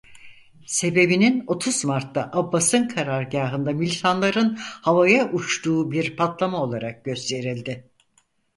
Sebebinin otuz Mart'ta Abbas'ın karargâhında militanların havaya uçtuğu bir patlama olarak gösterildi.